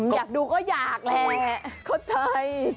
อยากดูก็อยากแหละเข้าใจ